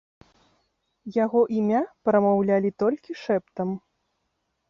Яго імя прамаўлялі толькі шэптам.